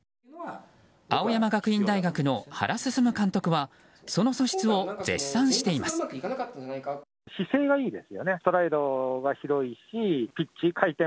青山学院大学の原晋監督はその素質を絶賛しています。